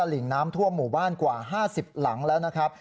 ล้นตลิ่งน้ำท่วมหมู่บ้านกว่า๕๐หลังนะครับ